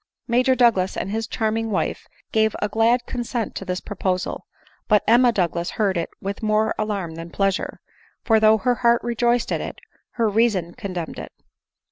Major Douglas and his charming wife gave a glad consent to this proposal : but Emma Douglas heard . it with more alarm than pleasure ; for, though her heart rejoiced at it, her reason condemned it.